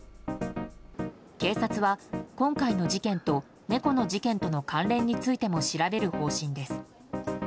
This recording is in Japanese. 警察は今回の事件と猫の事件との関連についても調べる方針です。